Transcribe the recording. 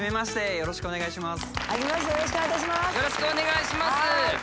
よろしくお願いします。